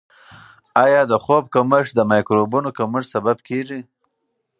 آیا د خوب کمښت د مایکروبونو کمښت سبب کیږي؟